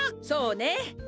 そうね。